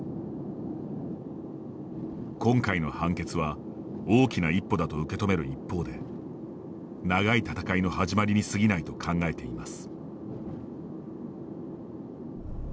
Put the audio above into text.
今回の判決は、大きな一歩だと受け止める一方で長い闘いの始まりに過ぎないと考えています。